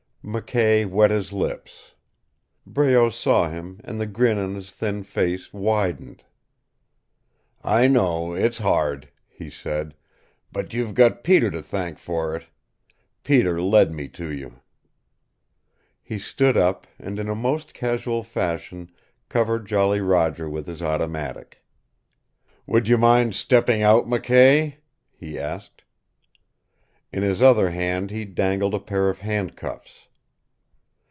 McKay wet his lips. Breault saw him, and the grin on his thin face widened. "I know, it's hard," he said. "But you've got Peter to thank for it. Peter led me to you." He stood up, and in a most casual fashion covered Jolly Roger with his automatic. "Would you mind stepping out, McKay?" he asked. In his other hand he dangled a pair of handcuffs.